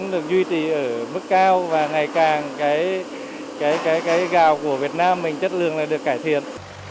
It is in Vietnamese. được duy trì ở mức cao và ngày càng cái gạo của việt nam mình chất lượng là được cải thiện